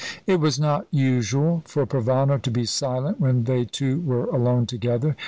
It was not usual for Provana to be silent when they two were alone together.